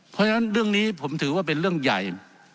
เพราะฉะนั้นเรื่องนี้ผมถือว่าเป็นเรื่องใหญ่